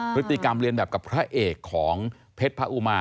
พฤติกรรมเรียนแบบกับพระเอกของเพชรพระอุมา